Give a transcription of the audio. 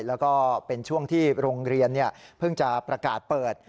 แล้วก็เป็นช่วงที่โรงเรียนเพิ่งจะประกาศเปิด